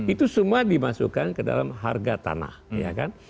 itu semua dimasukkan ke dalam harga tanah ya kan